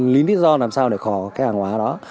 lý do làm sao để khò hàng hóa đó